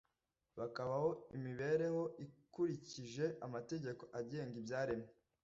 bakabaho imibereho ikurikije amategeko agenga ibyaremwe,